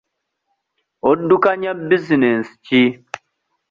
Oddukanya bizinensi ki?